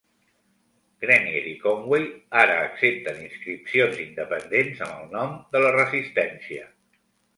Grenier i Conway ara accepten inscripcions independents amb el nom de "La Resistència".